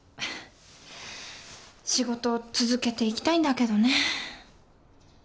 仕事続けていきたいんだけどね。